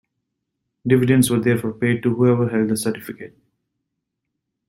Dividends were therefore paid to whoever held the certificate.